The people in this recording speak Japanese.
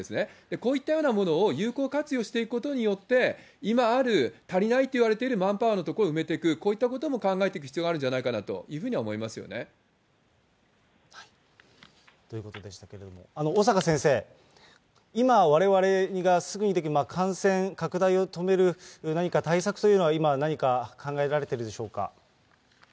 こういったようなものを、有効活用していくことによって、今ある、足りないと言われているマンパワーのところを埋めていく、こういったことも考えていく必要があるんじゃないかなというふうということでしたけれども、小坂先生、今、われわれがすぐにできる感染拡大を止める何か対策というのは今、何か考えられてるでしょうか。